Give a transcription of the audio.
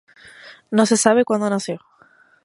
No se sabe cuándo nació.